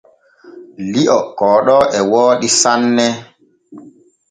Li’o kooɗo e wooɗi sanne.